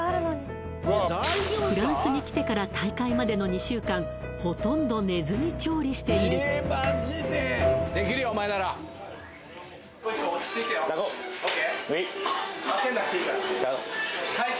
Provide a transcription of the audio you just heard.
フランスに来てから大会までの２週間ほとんど寝ずに調理しているダコーＯＫ？